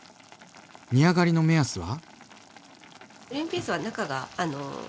煮上がりの目安は？